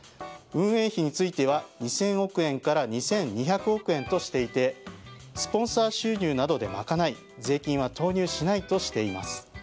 運営費については２０００億円から２２００億円としていてスポンサー収入などで賄い税金は投入しないとしています。